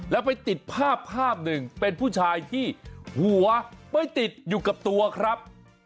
แล้วไปติดภาพภาพหนึ่งเป็นผู้ชายที่หัวไม่ติดอยู่กับตัวครับ